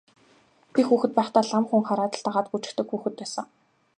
Би хүүхэд байхдаа лам хүн хараад л дагаад гүйчихдэг хүүхэд байсан.